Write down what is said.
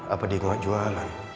apa dia gak jualan